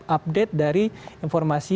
update dari informasi